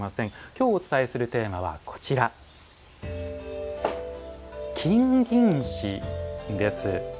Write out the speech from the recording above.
今日お伝えするテーマはこちら「金銀糸」です。